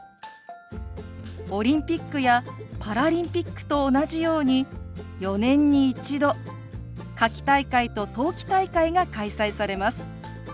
オリンピックやパラリンピックと同じように４年に１度夏季大会と冬季大会が開催されます。